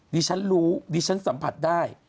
ดิฉันรู้ดิฉันสัมผัสได้